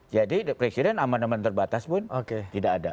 jadi presiden amendemen terbatas pun tidak ada